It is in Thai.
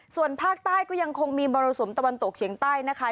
ส่วนภาคใต้ก็ยังคงมีมรสุมตะวันตกเฉียงใต้นะคะ